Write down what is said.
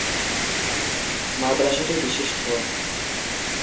মাদ্রাসাটি বিশিষ্ট।